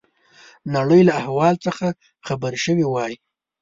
نړۍ له احوال څخه خبر شوي وای.